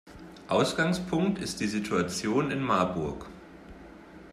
Ausgangspunkt ist die Situation in Marburg.